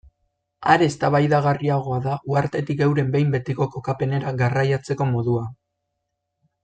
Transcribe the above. Are eztabaidagarriagoa da uhartetik euren behin betiko kokapenera garraiatzeko modua.